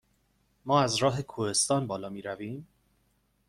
ما از راه کوهستان بالا می رویم؟